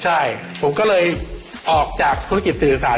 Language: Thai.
ใช่ผมก็เลยออกจากธุรกิจสื่อสาร